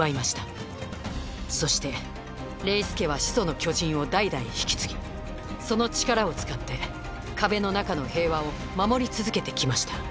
そしてレイス家は「始祖の巨人」を代々引き継ぎその力を使って壁の中の平和を守り続けてきました。